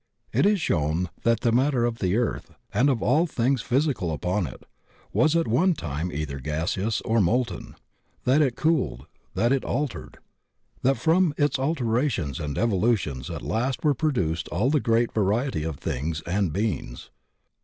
It is shown that the matter of the earth and of all things physi cal upon it was at one time either gaseous or molten; that it cooled; that it altered; that from its alterations and evolutions at last were produced all the great variety of things and beings.